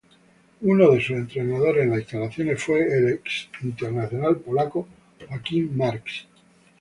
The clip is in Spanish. Uno de sus entrenadores en las instalaciones fue el ex internacional polaco Joachim Marx.